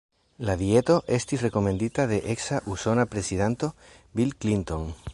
La dieto estis rekomendita de eksa usona prezidanto Bill Clinton.